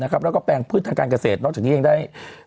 แล้วก็แปลงพืชทางการเกษตรนอกจากนี้ยังได้